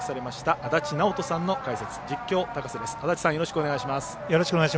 足達さん、よろしくお願いします。